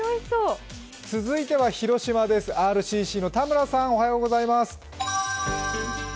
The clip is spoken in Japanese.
続いては、広島ＲＣＣの田村さんおはようございます。